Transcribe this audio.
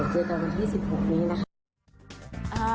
เจอกันวันที่๑๖นี้นะคะ